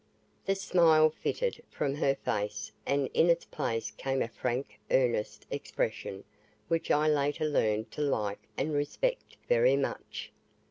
The smile flitted from her face and in its place came a frank earnest expression which I later learned to like and respect very much.